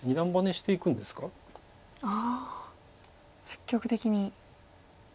積極的に。